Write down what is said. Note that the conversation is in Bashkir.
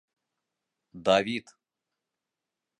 Давид!